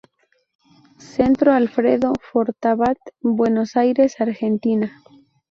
Centro Alfredo Fortabat, Buenos Aires, Argentina.